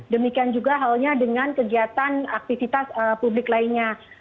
demikian juga halnya dengan kegiatan aktivitas publik lainnya